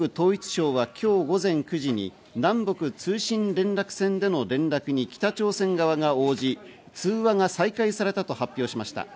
韓国統一省は今日午前９時に南北通信連絡線での連絡に北朝鮮側が応じ通話が再開されたと発表しました。